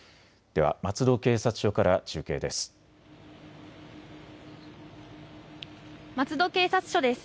では松戸警察署から中継です。